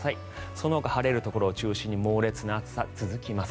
そのほか晴れるところを中心に猛烈な暑さ、続きます。